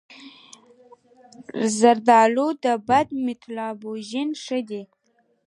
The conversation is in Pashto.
زردآلو د بدن میتابولیزم ښه کوي.